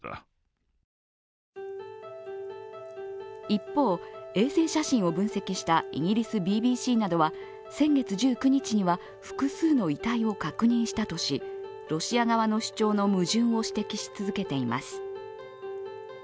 一方、衛星写真を分析したイギリスＢＢＣなどは先月１９日には複数の遺体を確認したとしロシア側の主張の矛盾を指摘し続けています。